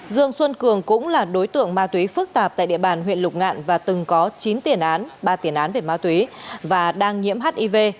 dương xuân cường cũng là đối tượng ma túy phức tạp tại địa bàn huyện lục ngạn và từng có chín tiền án ba tiền án về ma túy và đang nhiễm hiv